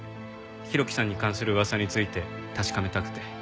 浩喜さんに関する噂について確かめたくて。